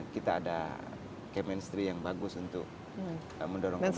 kita ada chemistry yang bagus untuk mendorong masyarakat